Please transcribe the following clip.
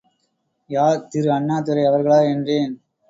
யார் திரு அண்ணாதுரை அவர்களா? என்றேன்.